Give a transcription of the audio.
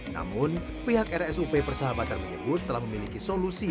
namun pihak rsup persahabatan menyebut telah memiliki solusi